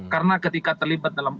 karena ketika terlibat dalam